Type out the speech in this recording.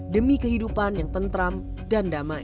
demi kehidupan yang seharusnya berjalan dengan baik